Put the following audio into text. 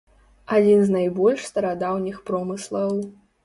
Адзін з найбольш старадаўніх промыслаў.